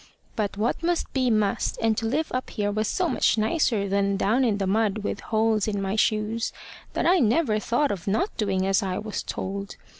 But what must be must, and to live up here was so much nicer than down in the mud with holes in my shoes, that I never thought of not doing as I was told.